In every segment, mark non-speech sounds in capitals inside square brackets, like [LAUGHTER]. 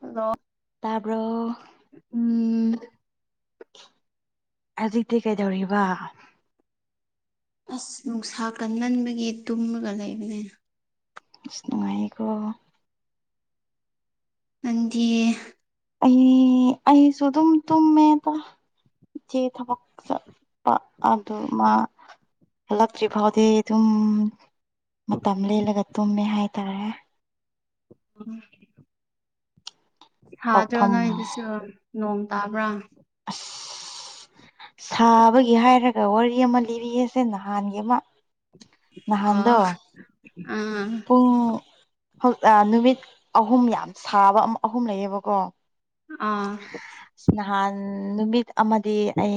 Hello ꯇꯥꯕ꯭ꯔꯣ ꯎꯝ ꯍꯧꯖꯤꯛꯇꯤ ꯀꯩꯗꯧꯔꯤꯕ ꯑꯁ ꯅꯨꯡꯁꯥ ꯀꯟꯃꯟꯕꯒꯤ ꯇꯨꯝꯃꯒ ꯂꯩꯕꯅꯤꯅ ꯏꯁꯁ ꯅꯨꯅꯨꯡꯉꯥꯏꯀ ꯅꯗꯤ ꯑ ꯑꯍꯁꯨꯗꯨꯝ ꯇꯝ ꯃ ꯇ ꯆꯦ ꯊꯕꯄ ꯑꯗꯨ ꯑꯗꯨ ꯃꯥ ꯐꯂ ꯀ꯭ꯔꯤꯐꯥꯎꯗ ꯏ ꯑꯗꯨꯝ ꯃꯇꯝ ꯂꯦꯜꯂꯒ ꯇꯨꯝꯃꯦ ꯍꯥꯏꯇꯥꯔꯦ ꯎꯝ ꯁꯥꯗ꯭ꯔꯣ ꯇꯧꯐꯝ ꯅꯣꯏꯗꯨꯁꯨ ꯅꯣꯡ ꯇꯥꯕ꯭ꯔꯥ ꯑꯁ ꯁꯥꯕꯒꯤ ꯍꯥꯏꯔꯒ ꯋꯥꯔꯤ ꯑꯃ ꯂꯤꯔꯤꯌꯦꯁꯦ ꯅꯍꯥꯟꯒꯤ ꯑꯃ ꯅꯍꯥꯟꯗ ꯑꯣ ꯑꯥ ꯅꯨꯃꯤꯠ ꯑꯍꯨꯝ ꯌꯥꯝ ꯁꯥꯕ ꯑꯃ ꯑꯍꯨꯝ ꯂꯩꯌꯦꯕꯀꯣ ꯑꯥ ꯎꯝ ꯅꯨꯃꯤꯠ ꯑꯃꯗꯤ ꯑꯩ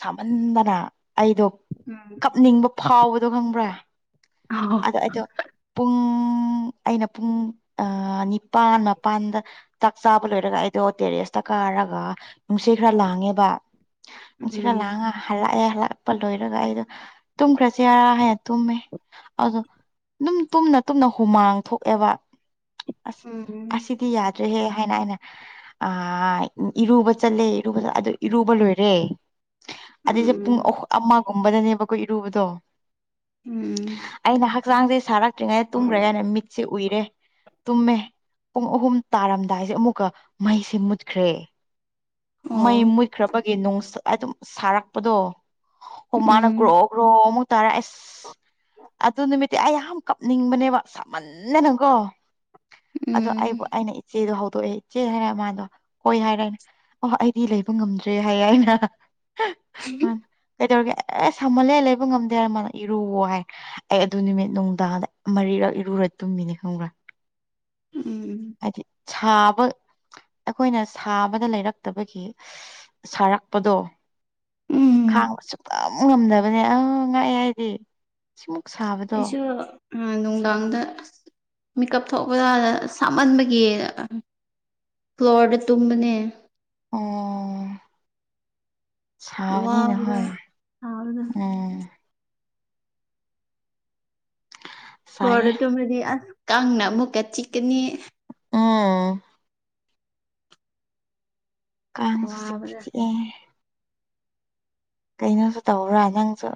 ꯁꯥꯃꯟꯗꯅ ꯑꯩꯗꯣ ꯎꯝ ꯀꯞꯅꯤꯡꯕ ꯐꯥꯎꯕꯗꯣ ꯈꯪꯕ꯭ꯔꯥ ꯑꯣ ꯑꯗꯣ ꯑꯩꯗꯣ ꯄꯨꯡꯨꯡ ꯑꯩꯅ ꯄꯨꯡ ꯑ ꯅꯤꯄꯥꯥꯟ ꯃꯄꯥꯟꯗ ꯆꯥꯛ ꯆꯥꯕ ꯂꯣꯏꯔꯒ ꯑꯩꯗꯣ ꯇꯦꯔꯦꯁꯇ ꯀꯥꯔꯒ ꯅꯨꯡꯁꯤ ꯈꯔ ꯂꯥꯡꯉꯦꯕ ꯁꯤꯀ ꯎꯝ ꯂꯥꯡꯉ ꯍꯜꯂꯑꯦ ꯍꯜꯂ ꯀꯄ ꯂꯣꯏꯔꯒ ꯑꯩꯗꯣ ꯇꯨꯝꯈ꯭ꯔꯁꯤꯦ ꯌꯥꯔꯥ ꯍꯥꯏꯅ ꯇꯨꯝꯃꯦ ꯑꯗꯣ ꯑꯗꯨꯝ ꯇꯨꯝꯅ ꯇꯨꯝꯅ ꯍꯨꯃꯥꯡ ꯊꯣꯛꯑꯦꯕ ꯑꯁ ꯎꯝ ꯑꯁꯤꯁꯤꯗꯤ ꯌꯥꯗ ꯍꯥꯏꯅ ꯑꯩꯅ ꯑ ꯏꯔꯨꯕ ꯆꯠꯂꯦ ꯏꯔꯨꯕ ꯆꯠ ꯑꯗꯨ ꯏꯔꯨꯕ ꯂꯣꯏꯔꯦ ꯑꯗꯏꯁꯦ ꯎꯝ ꯄꯨꯡ ꯑ ꯑꯃꯒꯨꯝꯕꯗꯅꯦꯕꯈꯣ ꯏꯔꯨꯕꯗꯣ ꯎꯝ ꯑꯩꯅ ꯍꯛꯆꯥꯡꯁꯦ ꯁꯥꯔꯛꯇ꯭ꯔꯤꯉꯩꯗ ꯇꯨꯝꯈ꯭ꯔꯦ ꯀꯥꯏꯅ ꯃꯤꯠꯁꯦ ꯎꯏꯔꯦ ꯇꯨꯝꯃꯦ ꯄꯨꯡ ꯑꯍꯨꯝ ꯇꯥꯔꯝꯗꯥꯏꯁꯦ ꯑꯃꯨꯛꯀ ꯃꯩꯁꯤꯦ ꯃꯨꯠꯈ꯭ꯔꯦ ꯑꯣ ꯃꯩ ꯃꯨꯠꯈ꯭ꯔꯕꯒꯤ ꯅꯣꯡ ꯑꯗꯨꯝ ꯁꯥꯔꯛꯄꯗꯣ ꯍꯣ ꯃꯥꯅ ꯒ꯭ꯔꯣ ꯎꯝ ꯒ꯭ꯔꯣ ꯑꯃꯨꯛ ꯇꯥꯔ ꯑꯁ ꯑꯗꯨ ꯅꯨꯃꯤꯠꯇꯤ ꯑꯩ ꯌꯥꯝ ꯀꯞꯅꯤꯡꯕꯅꯦꯕ ꯁꯃꯟꯅꯅꯪꯀꯣ ꯑꯗꯣ ꯎꯝ ꯑꯩꯕꯨ ꯑꯩꯅ ꯆꯦꯗꯣ ꯍꯧꯗꯣꯛꯑꯦ ꯆꯦ ꯍꯥꯏꯔꯦ ꯃꯥꯗꯣ ꯍꯣꯏ ꯍꯥꯏꯔꯦꯅ ꯑꯣ ꯑꯩꯗꯤ ꯂꯩꯕ ꯉꯝꯗ꯭ꯔꯦ ꯍꯥꯏꯌꯦꯦ ꯑꯩꯅ [INAUDIBLE] ꯃꯥꯅ [UNINTELLIGIBLE] ꯀꯩꯗꯧꯔꯒꯦ ꯑꯦ ꯁꯝꯍꯜꯂꯦ ꯂꯩꯕ ꯉꯝꯗꯦ ꯍꯥꯏꯔ ꯃꯥꯅ ꯏꯔꯨ ꯍꯥꯏ ꯑꯩ ꯑꯗꯨ ꯅꯨꯃꯤꯠ ꯅꯨꯡꯗꯥꯡ ꯃꯔꯤ ꯏꯔꯨꯔ ꯇꯨꯝꯃꯤꯅꯤ ꯈꯪꯕ꯭ꯔꯥ ꯎꯝ ꯍꯥꯕ ꯑꯩꯈꯣꯏꯅ ꯁꯥꯕꯗ ꯂꯩꯔꯛꯇꯕꯒꯤ ꯁꯥꯔꯛꯄꯗꯣ ꯎꯝ ꯈꯥꯡꯕ ꯁꯨꯛꯇ ꯑꯃꯨꯛ ꯉꯝꯗꯕꯅꯦ ꯑ ꯉꯥꯛꯑꯦ ꯍꯥꯏꯗꯤ ꯁꯤꯃꯨꯛ ꯁꯥꯕꯗꯣ ꯑ ꯅꯨꯡꯗꯥꯡꯗ ꯑꯁ ꯃꯤꯦꯀꯞ ꯊꯣꯛꯄꯗꯗ ꯁꯥꯃꯟꯕꯒꯤꯗ ꯐ꯭ꯂꯣꯔꯗ ꯇꯨꯝꯕꯅꯦ ꯎꯝ ꯁꯕꯅꯤ ꯋꯥꯕꯗ ꯅꯍꯣꯏ ꯁꯥꯕꯗ ꯎꯝ ꯁꯣꯔ ꯁꯥꯏꯌꯦ ꯑꯗꯨꯃꯗꯤ ꯑꯁ ꯀꯪꯅ ꯑꯃꯨꯛꯀ ꯆꯤꯛꯀꯅꯤ ꯎꯝ ꯀꯥꯡꯁꯨ ꯋꯥꯕꯗ ꯁꯤꯦ ꯀꯩꯅꯣꯁꯨ ꯇꯧꯕ꯭ꯔꯥ ꯅꯪꯁꯨ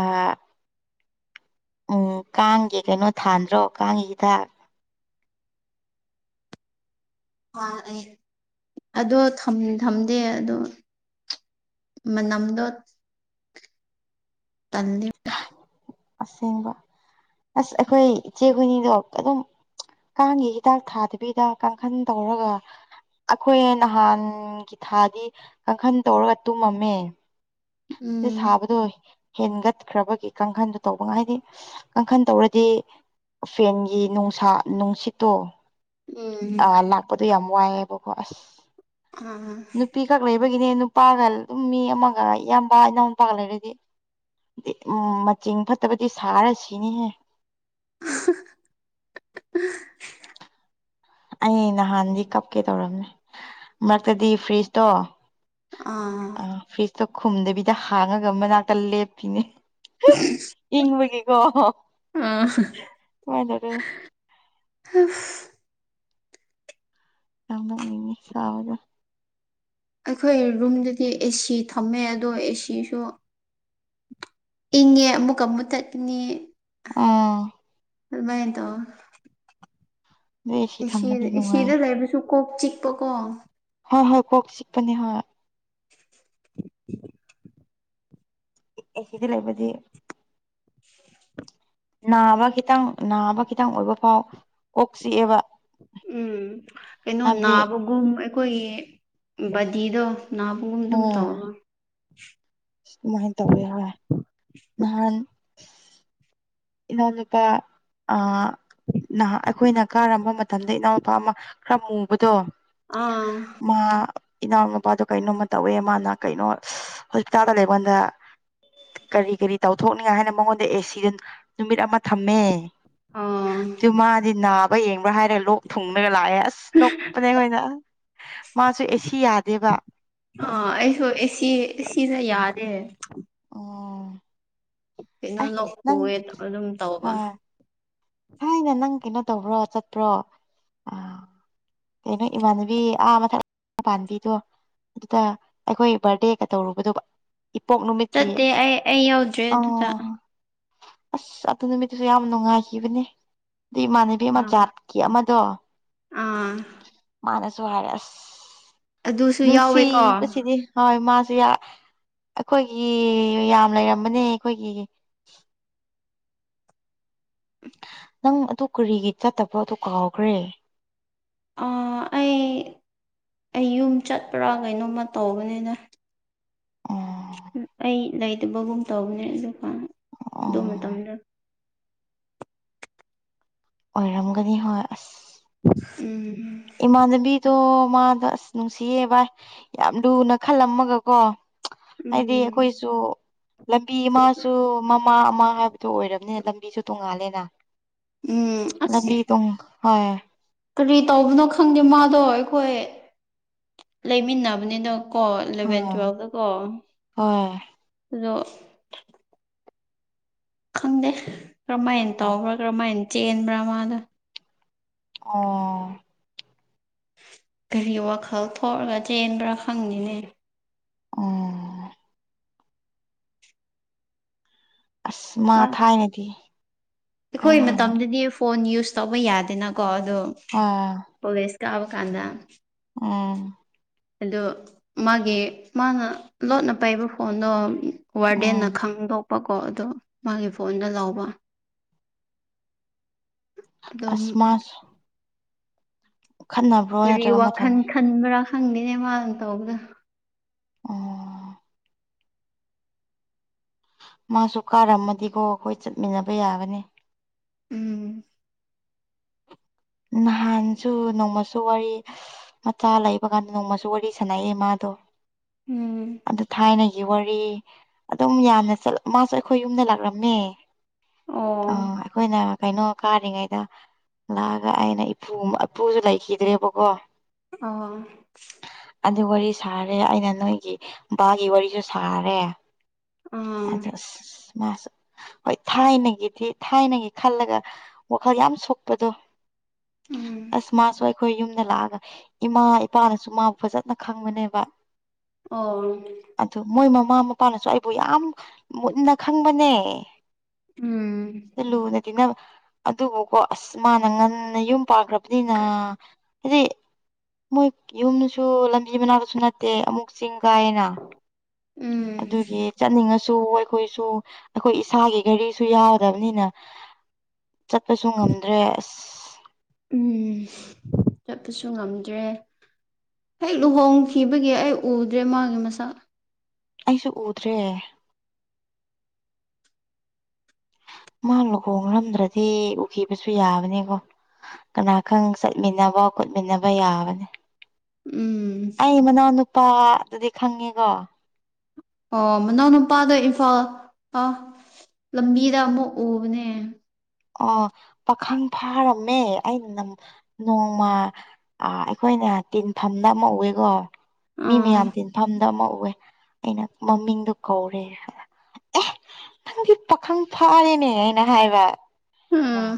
ꯑ ꯎꯝ ꯀꯥꯡꯒꯤ ꯀꯩꯅꯣ ꯊꯥꯟꯗ꯭ꯔꯣ ꯀꯥꯡꯒꯤ ꯍꯤꯗꯥꯛ ꯑꯗꯣ ꯊꯝꯗꯦ ꯑꯗꯣ ꯃꯅꯝꯗꯣ ꯇꯟꯂꯦꯕ ꯑꯁꯦꯡꯕ ꯑꯁ ꯑꯩꯈꯣꯏ ꯏꯆꯦ ꯍꯣꯏꯅꯤꯗꯣ ꯑꯗꯨꯝ ꯀꯥꯡꯒꯤ ꯍꯤꯗꯥꯛ ꯊꯥꯗꯕꯤꯗ ꯀꯥꯡꯈꯟ ꯇꯧꯔꯒ ꯑꯩꯈꯣꯏ ꯅꯍꯥꯟꯒꯤ ꯊꯥꯗꯤ ꯀꯥꯡꯈꯟ ꯇꯧꯔꯒ ꯇꯨꯝꯃꯝꯃꯦ ꯁꯤ ꯎꯝ ꯁꯥꯕꯗꯣ ꯍꯦꯟꯒꯠꯈ꯭ꯔꯕꯒꯤ ꯀꯥꯡꯈꯟꯗꯨ ꯇꯧꯕ ꯉꯝ ꯍꯥꯏꯕꯗꯤ ꯀꯥꯡꯈꯟ ꯇꯧꯔꯗꯤ ꯐꯦꯟꯒꯤ ꯅꯨꯡꯁꯥ ꯅꯨꯡꯁꯤꯠꯇꯣ ꯎꯝ ꯑ ꯂꯥꯛꯄꯗꯨ ꯌꯥꯝ ꯋꯥꯌꯦꯕꯀꯣ ꯑꯥ ꯍꯥꯏꯕꯒꯤꯅꯦ ꯅꯨꯄꯥꯒ ꯑꯗꯨꯝ ꯃꯤ ꯑꯃꯒ ꯏꯌꯥꯝꯕ ꯏꯅꯥꯎ ꯃꯄꯥꯒ ꯂꯩꯔꯗꯤ ꯃꯆꯤꯡ ꯐꯠꯇꯕꯗꯤ ꯁꯥꯔꯁꯤꯅꯤꯍꯦ ꯑꯍꯥ ꯑꯩ ꯅꯍꯥꯟꯗꯤ ꯀꯞꯀꯦ ꯇꯧꯔꯝꯅꯦ ꯃꯔꯛꯇꯗꯤ ꯐ꯭ꯔꯤꯖꯇꯣ ꯑꯥ ꯑ ꯐ꯭ꯔꯤꯖꯇꯣ ꯈꯨꯝꯗꯕꯤꯗ ꯍꯥꯡꯉꯒ ꯃꯅꯥꯛꯇ ꯂꯦꯞꯄꯤꯅꯦ ꯏꯪꯕꯒꯤꯀꯣ ꯑꯥ ꯋꯥꯥꯏ ꯇꯔ ꯑ ꯌꯥꯝꯅꯣꯛꯅꯤꯡꯉꯦ ꯁꯥꯕꯗ ꯑꯩꯈꯣꯏ ꯔꯨꯝꯗꯗꯤ ꯑꯦꯁꯤ ꯊꯝꯃꯦ ꯑꯗꯣ ꯑꯦꯁꯤꯁꯨ ꯏꯪꯉꯦ ꯑꯃꯨꯛꯀ ꯃꯨꯊꯠꯀꯅꯤ ꯑꯥ ꯑꯗꯨꯃꯥꯏꯅ ꯇꯧꯏ ꯑꯗꯨ ꯑꯦꯁꯤ ꯑꯦ ꯊꯝꯃꯗꯤ ꯅꯨꯡꯉꯥꯏ ꯁꯤꯗ ꯂꯩꯕꯁꯨ ꯀꯣꯛ ꯆꯤꯛꯄ ꯀꯣ ꯍꯣꯏ ꯍꯣꯏ ꯀꯣꯛ ꯆꯤꯛꯄꯅꯦ ꯍꯣꯏ ꯑꯦ ꯁꯤꯗꯤ ꯂꯩꯕꯗꯤ [INAUDIBLE] ꯅꯥꯕ ꯈꯤꯇꯪ ꯅꯥꯕ ꯈꯤꯇꯪ ꯑꯣꯏꯕ ꯐꯥꯎ ꯀꯣꯛ ꯆꯤꯛꯑꯦꯕ ꯎꯝ ꯀꯩꯅꯣ ꯍꯥꯏꯕꯗꯤ ꯅꯥꯕꯒꯨꯝ ꯑꯩꯈꯣꯏꯒꯤ ꯕꯗꯤꯗꯣ ꯅꯥꯕꯒꯨꯝ ꯑꯗꯨꯝ ꯇꯧꯕ ꯁꯨꯃꯥꯏꯅ ꯇꯧꯋꯦ ꯍꯣꯏ ꯅꯍꯥꯟ ꯏꯅꯥꯎꯅꯨꯄꯥ ꯑꯥ ꯅꯥꯍꯟ ꯑꯩꯈꯣꯏꯅ ꯀꯥꯔꯝꯕ ꯃꯇꯝꯗ ꯏꯅꯥꯎꯅꯨꯄꯥ ꯑꯃ ꯈꯔ ꯃꯨꯕꯗꯣ ꯑꯥ ꯃꯥ ꯏꯅꯥꯎꯅꯨꯄꯥꯗꯣ ꯀꯩꯅꯣꯝꯃ ꯇꯧꯋꯦ ꯃꯥꯅ ꯀꯩꯅꯣ ꯍꯣꯁꯄꯤꯇꯥꯜꯗ ꯂꯩꯕꯒꯥꯟꯗ ꯀꯔꯤ ꯀꯔꯤ ꯇꯧꯊꯣꯛꯅꯤꯡꯉꯦ ꯍꯥꯏꯅ ꯃꯉꯣꯟꯗ ꯑꯦꯁꯤꯗꯨꯅ ꯅꯨꯃꯤꯠ ꯑꯃ ꯊꯝꯃꯦ ꯑꯥ ꯑꯗꯨ ꯃꯥꯗꯤ ꯅꯥꯕ ꯌꯦꯡꯕ꯭ꯔꯥ ꯍꯥꯏꯔꯦ ꯂꯣꯛ ꯊꯨꯡꯉꯒ ꯂꯥꯛꯑꯦ ꯑꯁ ꯅꯣꯛꯄꯅꯦ ꯑꯈꯣꯏꯅ ꯑ ꯑꯩꯁꯨ ꯑꯦꯁꯤꯅ ꯌꯥꯗꯦ ꯑꯣ ꯀꯩꯅꯣ ꯑꯦ ꯅꯪ ꯂꯣꯛꯄꯨꯋꯦ ꯑꯗꯨꯝ ꯇꯧꯕ ꯊꯥꯏꯅ ꯅꯪ ꯀꯩꯅꯣ ꯇꯧꯕ꯭ꯔꯣ ꯆꯠꯄ꯭ꯔꯣ ꯑ ꯀꯩꯅꯣ ꯏꯃꯥꯟꯕꯤ ꯑꯃꯊꯛ ꯄꯥꯟꯕꯤꯗꯨꯣ ꯑꯗꯨꯗ ꯑꯩꯈꯣꯏ ꯕꯥꯔꯗꯦꯒ ꯇꯧꯔꯨꯕꯗꯨꯕ ꯏꯄꯣꯛ ꯅꯨꯃꯤꯠꯀꯤ ꯆꯠꯇꯦ ꯑꯩ ꯑꯩ ꯌꯥꯎꯗ꯭ꯔꯦ ꯑꯗꯨꯗ ꯑꯥ ꯑꯁ ꯑꯗꯨ ꯅꯨꯃꯤꯠꯇꯨꯁꯨ ꯌꯥꯝ ꯅꯨꯡꯉꯥꯏꯈꯤꯕꯅꯦ ꯑꯗꯨ ꯏꯃꯥꯟꯅꯕꯤ ꯑꯃ ꯑꯥ ꯖꯥꯠꯀꯤ ꯑꯃꯗꯣ ꯑꯥ ꯃꯥꯅ ꯖꯨ ꯍꯥꯏꯔ ꯑꯁ ꯑꯗꯨꯁꯨ ꯌꯥꯎꯋꯦꯀꯣ ꯅꯨꯡꯁꯤꯕꯁꯤꯗꯤ ꯍꯣꯏ ꯃꯥ ꯑꯩꯈꯣꯏꯒꯤ ꯌꯥꯝ ꯂꯩꯔꯝꯕꯅꯦ ꯑꯩꯈꯣꯏꯒꯤ ꯅꯪ ꯑꯗꯨ ꯀꯔꯤꯒꯤ ꯆꯠꯇꯕꯣ ꯑꯗꯨ ꯀꯥꯎꯈ꯭ꯔꯦ ꯑꯥ ꯑꯩ ꯑꯩ ꯌꯨꯝ ꯆꯠꯄ꯭ꯔꯥ ꯀꯩꯅꯣꯝꯃ ꯇꯧꯕꯅꯤꯅ ꯎꯝ ꯑꯩ ꯂꯩꯇꯕꯒꯨꯝ ꯇꯧꯕꯅꯦ ꯗꯨꯀꯥꯟ ꯑꯗꯨꯣ ꯃꯇꯝꯗ ꯑꯣꯏꯔꯝꯒꯅꯤ ꯍꯣꯏ ꯎꯝ ꯏꯃꯥꯕꯤ ꯇꯣ ꯃꯥ ꯑꯁ ꯅꯨꯡꯁꯤꯌꯦ ꯚꯏ ꯌꯥꯝ ꯂꯨꯅ ꯈꯜꯂꯝꯃꯒ ꯀꯣ ꯍꯥꯏꯗꯤ ꯎꯝ ꯑꯩꯈꯣꯏꯁꯨ ꯂꯝꯕꯤ ꯑꯃꯁꯨ ꯃꯃꯥ ꯑꯃ ꯍꯥꯏꯕꯗꯨꯣ ꯑꯣꯏꯔꯕꯅꯤꯅ ꯂꯝꯕꯤꯁꯨ ꯇꯣꯡꯉꯥꯜꯂꯦꯅ ꯎꯝ ꯑꯁ ꯂꯝꯕꯤ ꯇꯨꯡ ꯍꯣꯏ ꯀꯔꯤ ꯇꯧꯕꯅꯣ ꯈꯪꯗꯦ ꯃꯥꯗꯣ ꯑꯩꯈꯣꯏ ꯂꯩꯃꯤꯟꯅꯕꯅꯤꯅ ꯀꯣ ꯍꯥ ꯏꯂꯚꯦꯟ ꯇꯨꯋꯦꯜꯕꯇ ꯀꯣ ꯍꯣꯏ ꯑꯗꯣ ꯈꯪꯗꯦ ꯀꯔꯝꯍꯥꯏꯅ ꯑꯣ ꯇꯧꯕ꯭ꯔꯥ ꯀꯔꯝꯍꯥꯏꯅ ꯆꯦꯟꯕ꯭ꯔꯥ ꯃꯥꯅꯣ ꯑꯣ ꯀꯔꯤ ꯋꯥꯈꯜ ꯊꯣꯛꯂꯒ ꯆꯦꯟꯕ꯭ꯔꯥ ꯈꯪꯅꯤꯅꯦ ꯑꯣꯝ ꯑꯁ ꯃꯥ ꯊꯥꯏꯅꯦꯗꯤ ꯑꯩꯈꯣꯏ ꯃꯇꯝꯗꯗꯤ ꯐꯣꯟ ꯌꯨꯁ ꯇꯧꯕ ꯌꯥꯗꯦꯅꯀꯣ ꯑꯗꯣ ꯑꯥ ꯀꯣꯂꯦꯖ ꯄꯥꯕ ꯈꯥꯟꯗ ꯎꯝ ꯑꯗꯨ ꯃꯥꯒꯤ ꯃꯥꯅ ꯂꯣꯠꯅ ꯄꯥꯏꯕ ꯐꯣꯟꯗꯣ ꯋꯥꯔꯗꯦꯟꯅ ꯎꯝ ꯈꯪꯗꯣꯛꯄꯀꯣ ꯑꯣ ꯃꯥꯒꯤ ꯐꯣꯟꯗ ꯂꯧꯕ ꯑꯗꯨꯝ ꯑꯁꯃꯁ ꯀꯔꯤ ꯅꯠꯇ꯭ꯔꯒ ꯃꯊꯟ ꯋꯥꯈꯜ ꯈꯟꯕ꯭ꯔꯥ ꯈꯪꯗꯦꯅꯦ ꯃꯥꯅ ꯇꯧꯕꯗ ꯑꯣ ꯃꯥꯁꯨ ꯀꯥꯔꯝꯃꯗꯤꯀꯣ ꯑꯩꯈꯣꯏ ꯆꯠꯃꯤꯟꯅꯕ ꯌꯥꯒꯅꯤ ꯎꯝ ꯅꯍꯥꯟꯁꯨ ꯅꯣꯡꯃꯁꯨ ꯋꯥꯔꯤ ꯃꯆꯥ ꯂꯩꯕ ꯀꯥꯟꯗ ꯅꯣꯡꯃꯁꯨ ꯋꯥꯔꯤ ꯁꯥꯟꯅꯩꯑꯌꯦ ꯃꯥꯗ ꯎꯝ ꯑꯗꯨ ꯊꯥꯏꯅ ꯋꯥꯔꯤ ꯑꯗꯨꯝ ꯌꯥꯝꯅ ꯃꯥꯁꯨ ꯑꯩꯈꯣꯏ ꯌꯨꯝꯗ ꯂꯥꯛꯂꯝꯃꯦ ꯑꯣ ꯑꯥ ꯑꯩꯈꯣꯏꯅ ꯀꯩꯅꯣ ꯀꯥꯔꯤꯉꯩꯗ ꯂꯥꯛꯑꯒ ꯑꯩꯅ ꯏꯄꯨ ꯏꯄꯨꯁꯨ ꯂꯩꯈꯤꯗ꯭ꯔꯦꯕꯀꯣ ꯑ ꯑꯗꯨ ꯋꯥꯔꯤ ꯁꯥꯔꯦ ꯑꯩꯅ ꯅꯣꯏꯒꯤ ꯕꯥꯒꯤ ꯋꯥꯔꯤꯁꯨ ꯁꯥꯔꯦ ꯑꯥ ꯑꯆꯥ ꯃꯥꯁꯨ ꯍꯣꯏ ꯊꯥꯏꯅꯒꯤꯗꯤ ꯊꯥꯏꯅꯒꯤ ꯈꯜꯂꯒ ꯋꯥꯈꯜ ꯌꯥꯝ ꯁꯣꯛꯄꯗꯣ ꯎꯝ ꯑꯁꯃꯥꯁꯏ ꯑꯩꯈꯣꯏ ꯌꯨꯝꯗ ꯂꯥꯛꯑꯒ ꯏꯃꯥ ꯏꯄꯥꯅꯁꯨ ꯃꯥꯕꯨ ꯐꯖꯅ ꯈꯪꯕꯅꯦꯕ ꯑꯗꯨ ꯑ ꯃꯣꯏ ꯃꯃꯥ ꯃꯄꯥꯅꯁꯨ ꯑꯩꯕꯨ ꯌꯥꯝ ꯃꯨꯟꯅ ꯈꯪꯕꯅꯦ ꯎꯝ ꯂꯨꯅ ꯑꯗꯨꯕꯨꯀꯣ ꯑꯁ ꯃꯥꯅ ꯉꯟ ꯌꯨꯝ ꯄꯥꯈ꯭ꯔꯕꯅꯤꯅ ꯍꯥꯏꯗꯤ ꯃꯣꯏ ꯌꯨꯝꯗꯁꯨ ꯂꯝꯕꯤ ꯃꯅꯥꯛꯇꯁꯨ ꯅꯠꯇꯦ ꯑꯃꯨꯛ ꯆꯤꯡ ꯀꯥꯏꯅ ꯎꯝ ꯑꯗꯨꯒꯤ ꯆꯠꯅꯤꯡꯉ ꯁꯨ ꯑꯩꯈꯣꯏꯁꯨ ꯑꯩꯈꯣꯏ ꯏꯁꯥꯒꯤ ꯒꯥꯔꯤꯁꯨ ꯌꯥꯎꯗꯕꯅꯤꯅ ꯆꯠꯄꯁꯨ ꯉꯝꯗ꯭ꯔꯦ ꯑꯁ ꯎꯝ ꯆꯠꯄꯁꯨ ꯉꯝꯗ꯭ꯔꯦ ꯍꯦꯛ ꯂꯨꯍꯣꯡꯈꯤꯕꯒꯤ ꯑꯩ ꯎꯗ꯭ꯔꯦ ꯃꯥꯒꯤ ꯃꯁꯛ ꯑꯩꯁꯨ ꯎꯗ꯭ꯔꯦ ꯃꯥ ꯂꯨꯍꯣꯡꯡꯂꯝꯗ꯭ꯔꯗꯤ ꯎꯈꯤꯕꯁꯨ ꯌꯥꯕꯅꯦꯀꯣ ꯀꯅꯥꯈꯪ ꯆꯠꯃꯤꯟꯅꯕ ꯈꯣꯠꯃꯤꯟꯅꯕ ꯌꯥꯕꯅꯤ ꯎꯝ ꯑꯩ ꯃꯅꯥꯎ ꯅꯨꯄꯥ ꯑꯗꯨꯗꯤ ꯈꯪꯉꯤꯀꯣ ꯑꯣ ꯃꯅꯥꯎ ꯅꯨꯄꯥꯗꯣ ꯏꯝꯐꯥꯜ ꯑꯥ ꯂꯝꯕꯤꯗ ꯑꯃꯨꯛ ꯎꯕꯅꯦ ꯑꯣ ꯄꯥꯈꯪ ꯐꯥꯔꯝꯃꯦ ꯑꯩꯅ ꯅꯣꯡꯃ ꯑꯩꯈꯣꯏ ꯅꯦ ꯇꯤꯟꯐꯝꯗ ꯑꯃ ꯎꯑꯦꯀꯣ ꯃꯤ ꯑꯥ ꯃꯌꯥꯝ ꯇꯤꯟꯐꯝꯗ ꯑꯃ ꯎ ꯀꯑꯦ ꯑꯩꯅ ꯃꯃꯤꯡꯗꯨ ꯀꯧꯔꯦ ꯅꯪꯗꯤ ꯄꯥꯈꯪ ꯐꯥꯔꯦꯅꯦ ꯑꯩꯅ ꯍꯥꯏꯕ ꯎꯝ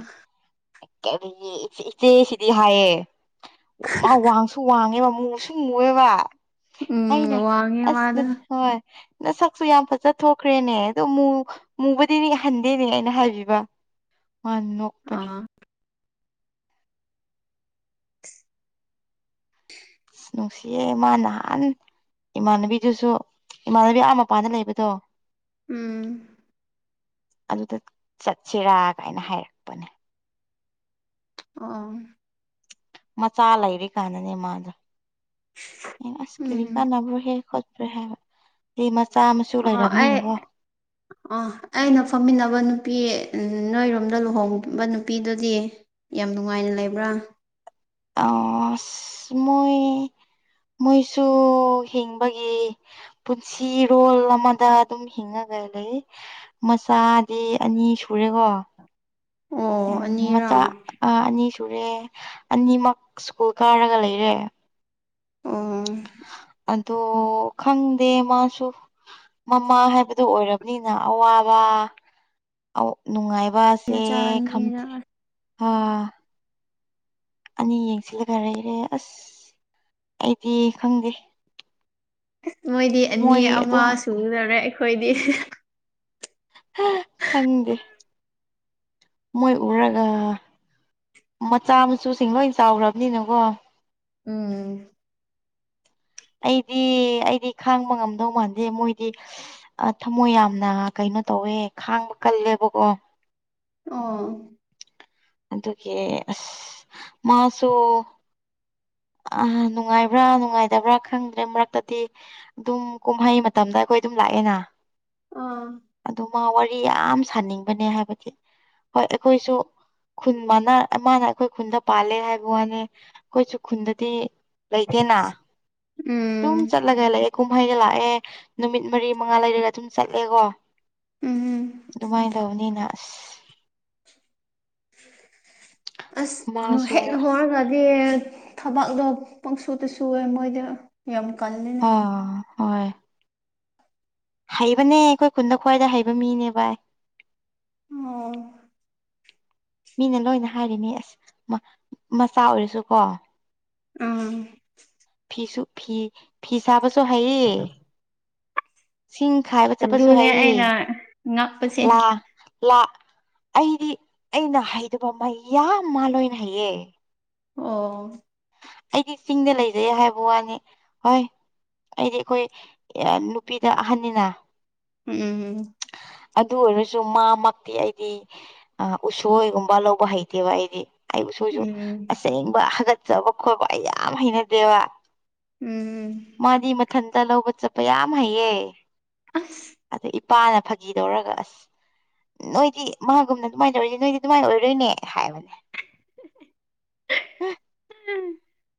ꯀ ꯏꯆꯦ ꯁꯤꯗꯤ ꯍꯥꯏꯌꯦꯦ ꯃꯥ ꯋꯥꯡꯁꯨ ꯋꯥꯡꯉꯦꯕ ꯃꯨꯁꯨ ꯃꯨꯑꯦꯕ ꯑꯩꯅ ꯎꯝ ꯋꯥꯡꯉꯦ ꯑꯁ ꯅ ꯃꯥꯗꯣ ꯍꯣꯏꯣꯏ ꯅ ꯁꯛꯁꯨ ꯌꯥꯝ ꯐꯖ ꯊꯣꯛꯈ꯭ꯔꯦꯅꯦ ꯑꯗꯣ ꯃꯨꯕꯗꯤꯗꯤ ꯍꯟꯗꯦꯅꯦ ꯑꯩꯅ ꯍꯥꯏꯕꯤꯕ [INAUDIBLE] [UNINTELLIGIBLE] ꯃꯥ ꯅꯣꯛꯄꯔ ꯑꯥ [INAUDIBLE] [UNINTELLIGIBLE] ꯅꯨꯡꯁꯤꯌꯦꯦ ꯃꯥ ꯅꯍꯥꯟ ꯏꯃꯥꯟꯅꯕꯤꯗꯨꯁꯨ ꯏꯃꯥꯟꯅꯕꯤ ꯑꯥ ꯃꯄꯥꯗ ꯂꯩꯕꯗꯣ ꯎꯝ ꯑꯗꯨꯗ ꯆꯠꯁꯤꯔꯥ ꯀꯥꯏꯅ ꯍꯥꯏꯔꯛꯄꯅꯦ ꯑ ꯃꯆꯥ ꯂꯩꯔꯤ ꯀꯥꯟꯗꯅꯦ ꯃꯥꯗ ꯑꯁ ꯀꯔꯤ ꯎꯝ ꯀꯥꯟꯅꯅꯕ꯭ꯔꯣ ꯍꯦ ꯈꯣ꯭ꯔꯣ ꯍꯥꯏ ꯑ ꯑꯩ ꯑ ꯑꯩꯅ ꯐꯝꯃꯤꯟꯅꯕ ꯅꯨꯄꯤ ꯅꯣꯏꯔꯣꯝꯗ ꯂꯨꯍꯣꯡꯕ ꯅꯨꯄꯤꯗꯨꯗꯤ ꯌꯥꯝ ꯅꯨꯡꯉꯥꯏꯅ ꯂꯩꯕ꯭ꯔꯥ ꯑ ꯃꯣꯏ ꯃꯣꯏꯁꯨ ꯍꯤꯡꯕꯒꯤ ꯄꯨꯟꯁꯤꯔꯣꯜ ꯑꯃꯗ ꯑꯗꯨꯝ ꯍꯤꯡꯉꯒ ꯂꯩ ꯃꯆꯥꯗꯤ ꯑꯅꯤ ꯁꯨꯔꯦꯀꯣ ꯑꯣ ꯎꯝ ꯑꯅꯤꯔꯥ ꯃꯆꯥ ꯑꯅꯤ ꯁꯨꯔꯦ ꯑꯅꯤꯃꯛ ꯁ꯭ꯀꯨꯜ ꯀꯥꯔꯒ ꯂꯩꯔꯦ ꯑꯣ ꯑꯗꯣ ꯈꯪꯗꯦ ꯃꯥꯁꯨ ꯃꯃꯥ ꯍꯥꯏꯕꯗꯨꯣ ꯑꯣꯏꯔꯕꯅꯤꯅ ꯑꯋꯥꯕ ꯑ ꯅꯨꯡꯉꯥꯏꯕꯁꯦ ꯃꯆꯥ ꯑꯅꯤꯔ ꯈꯪꯗ꯭ꯔꯦ ꯑ ꯑꯅꯤ ꯌꯦꯡꯁꯤꯜꯂꯒ ꯂꯩꯔꯦ ꯑꯁ ꯑꯩꯗꯤ ꯈꯪꯗꯦ ꯑ ꯃꯣꯏꯗꯤ ꯑꯅꯤ ꯃꯣꯏ ꯑꯃ ꯑꯗꯨꯝ ꯁꯨꯗꯔꯦ ꯑꯩꯈꯣꯏꯗꯤ ꯈꯪꯗꯦ ꯃꯣꯏ ꯎꯔꯒ ꯃꯆꯥ ꯃꯁꯨꯨꯁꯤꯡ ꯂꯣꯏ ꯆꯥꯎꯈ꯭ꯔꯕꯅꯤꯅꯀꯣ ꯎꯝ ꯑꯩꯗꯤ ꯑꯩꯗꯤ ꯈꯥꯡꯕ ꯉꯝꯗꯧ ꯃꯥꯟꯗꯦ ꯃꯣꯏꯗꯤ ꯊꯃꯣꯏ ꯌꯥꯝꯅ ꯀꯩꯅꯣ ꯀꯩꯅꯣ ꯇꯧꯋꯦ ꯈꯥꯡꯕ ꯀꯜꯂꯦꯕꯀꯣ ꯑ ꯑꯗꯨꯒꯤ ꯑꯁ ꯃꯥꯁꯨꯣ ꯑ ꯅꯨꯡꯉꯥꯏꯕ꯭ꯔꯥ ꯅꯨꯡꯉꯥꯏꯇꯕ꯭ꯔꯥ ꯈꯪꯗ꯭ꯔꯦ ꯃꯔꯛꯇꯗꯤ ꯑꯗꯨꯝ ꯀꯨꯝꯍꯩ ꯃꯇꯝꯗ ꯑꯩꯈꯣꯏ ꯑꯩꯈꯣꯏ ꯑꯗꯨꯝ ꯂꯥꯛꯑꯦꯅ ꯑꯥ ꯑꯗꯨ ꯋꯥꯔꯤ ꯌꯥꯝ ꯁꯥꯅꯤꯡꯕꯅꯦ ꯍꯥꯏꯕꯗꯤ ꯍꯣꯏ ꯑꯩꯈꯣꯏꯁꯨ ꯈꯨꯟ ꯃꯅ ꯃꯥꯅ ꯑꯩꯈꯣꯏ ꯈꯨꯟꯗ ꯄꯥꯜꯂꯦ ꯍꯥꯏꯕ ꯋꯥꯅꯤ ꯑꯩꯈꯣꯏꯁꯨ ꯈꯨꯟꯗꯗꯤ ꯂꯩꯇꯦꯅ ꯑꯗꯨꯝ ꯎꯝ ꯆꯠꯂꯒ ꯂꯩ ꯀꯨꯝꯍꯩꯒ ꯂꯥꯛꯑꯦ ꯅꯨꯃꯤꯠ ꯃꯔꯤ ꯃꯉꯥ ꯂꯩꯔꯒ ꯑꯗꯨꯝ ꯆꯠꯂꯦꯀꯣ ꯎꯝ ꯑꯗꯨꯃꯥꯏꯅ ꯇꯧꯅꯤꯅꯥꯁ ꯑꯁ ꯃꯥꯁꯨ ꯍꯦ ꯍꯔꯒꯗꯦ ꯊꯕꯥꯛꯗꯣ ꯄꯪꯁꯨꯇ ꯁꯨꯑꯦ ꯃꯣꯏꯗꯤ ꯌꯥꯝ ꯀ ꯑ ꯍꯣꯏ ꯍꯩꯕꯅꯦ ꯑꯩꯈꯣꯏ ꯈꯨꯟꯗ ꯈ꯭ꯋꯥꯏꯗ ꯍꯩꯕ ꯃꯤꯅꯦ ꯚꯥꯏ ꯑꯣ ꯃꯤꯅ ꯂꯣꯏꯅ ꯍꯥꯏꯔꯤꯅꯤ ꯑꯁ ꯃꯆꯥ ꯑꯣꯏꯔꯁꯨꯀꯣ ꯑꯥ ꯐꯤꯁꯨ ꯐꯤ ꯐꯤ ꯁꯥꯕꯁꯨ ꯍꯩꯌꯦ ꯁꯤꯡ ꯈꯥꯏꯕ ꯆꯠꯄꯁꯨ ꯑꯗꯨꯅꯦ ꯍꯩꯌꯦ ꯑꯩꯅ ꯉꯛꯄꯁꯦ ꯂꯥ ꯂ ꯑꯩꯗꯤ ꯑꯩꯅ ꯍꯩꯗꯕ ꯃꯩ ꯌꯥꯝ ꯃꯥꯜꯂꯣꯏꯅ ꯍꯩꯌꯦ ꯑꯣ꯫ ꯑꯩꯗꯤ ꯆꯤꯡꯗ ꯂꯩꯖꯩ ꯍꯥꯏꯕ ꯋꯥꯅꯤ ꯍꯣꯏ ꯑꯩꯗꯤ ꯑꯩꯈꯣꯏ ꯅꯨꯄꯤꯗ ꯑꯍꯟꯅꯤꯅ ꯎꯝꯝ ꯑꯗꯨ ꯑꯣꯏꯔꯁꯨ ꯃꯥꯃꯛꯇꯤ ꯑꯩꯗꯤ ꯎꯁꯣꯏꯒꯨꯝꯕ ꯂꯧꯕ ꯍꯩꯇꯦꯕ ꯑꯩꯗꯤ ꯑꯩꯕꯨ ꯁꯣꯏꯁꯨ ꯎꯝ ꯑꯁꯦꯡꯕ ꯍꯥꯒꯠꯆꯕ ꯈꯣꯠꯄ ꯑꯩ ꯌꯥꯝ ꯍꯩꯅꯗꯦꯕ ꯎꯝ ꯏꯊꯟꯗ ꯂꯧꯕ ꯆꯠꯄ ꯌꯥꯝ ꯍꯩꯌꯦ ꯑꯁ ꯑ ꯄꯥꯅ ꯐꯥꯒꯤꯗꯧꯔꯒ ꯑꯁ ꯅꯣꯏꯗꯤ ꯃꯥꯒꯨꯝꯅ ꯑꯗꯨꯃꯥꯏꯅ ꯇꯧꯔꯤꯁꯦ ꯅꯣꯏꯗꯤ ꯑꯗꯨꯃꯥꯏꯅ ꯑꯣꯏꯗꯣꯏꯅꯦ ꯍꯥꯏꯕꯅꯦ